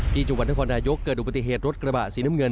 จังหวัดนครนายกเกิดอุบัติเหตุรถกระบะสีน้ำเงิน